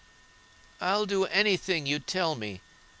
"I'll do any thing you tell me.